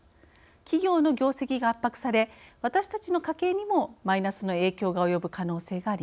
企業の業績が圧迫され私たちの家計にもマイナスの影響が及ぶ可能性があります。